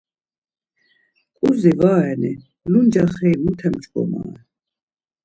Ǩuzi va reni, lu ncaxeri mute p̆ç̌ǩomare?